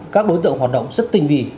các đối tượng hoạt động rất tinh vị